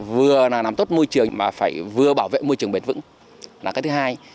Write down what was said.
vừa là làm tốt môi trường mà phải vừa bảo vệ môi trường bền vững là cái thứ hai